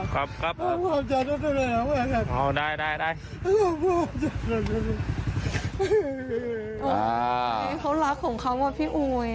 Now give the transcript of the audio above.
พี่เขารักของเขาอะพี่อุ๋ย